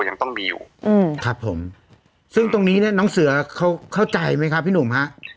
ยังต้องมีอยู่อืมครับผมซึ่งตรงนี้เนี่ยน้องเสือเขาเข้าใจไหมครับพี่หนุ่มฮะ